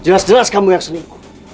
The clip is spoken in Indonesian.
jelas jelas kamu yang selingkuh